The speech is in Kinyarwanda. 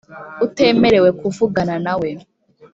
utemerewe kuvugana na we